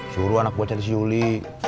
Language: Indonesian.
suruh anak buah cari si yuli